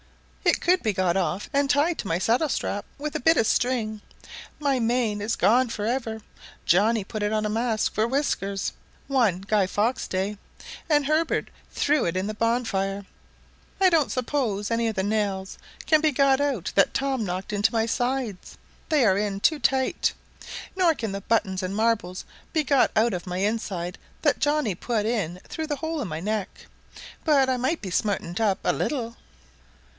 It could be got off, and tied to my saddle strap with a bit of string. My mane is gone for ever. Johnny put it on a mask for whiskers one Guy Fawkes' day, and Herbert threw it in the bonfire. I don't suppose any of the nails can be got out that Tom knocked into my sides; they are in too tight. Nor can the buttons and marbles be got out of my inside that Johnny put in through the hole in my neck. But I might be smartened up a little!"